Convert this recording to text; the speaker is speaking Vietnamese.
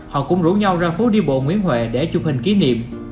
họ cũng rủ nhau ra phố đi bộ nguyễn huệ để chụp hình kỷ niệm